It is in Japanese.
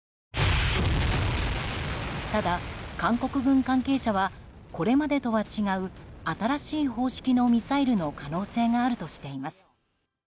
ただ、韓国軍関係者はこれまでとは違う新しい方式のミサイルの可能性があるとしています。